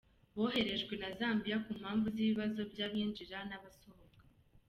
Boherejwe na Zambia ku mpamvu z’ibibazo by’abinjira n’abasohoka.